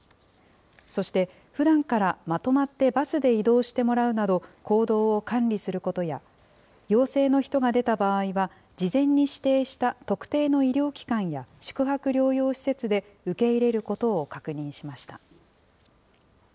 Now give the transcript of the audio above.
そして、ふだんからまとまってバスで移動してもらうなど、行動を管理することや、陽性の人が出た場合は、事前に指定した特定の医療機関や宿泊療養施設で受け入れることを確認しました。